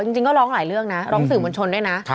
จริงก็ร้องหลายเรื่องนะร้องสื่อมวลชนด้วยนะ